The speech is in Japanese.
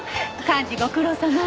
幹事ご苦労さま。